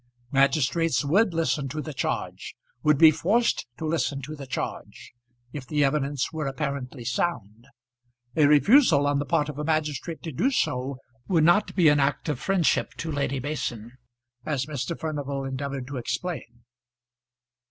Magistrates would listen to the charge would be forced to listen to the charge, if the evidence were apparently sound. A refusal on the part of a magistrate to do so would not be an act of friendship to Lady Mason, as Mr. Furnival endeavoured to explain.